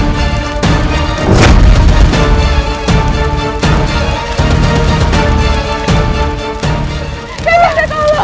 tidak tidak tidak tidak tidak